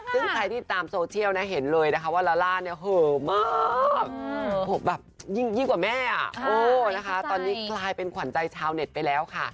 ซึ่งใครที่ตามโซเชียลนะเห็นเลยนะคะว่าลาล่าเนี่ยเหอะมากแบบยิ่งกว่าแม่นะคะตอนนี้กลายเป็นขวัญใจชาวเน็ตไปแล้วค่ะ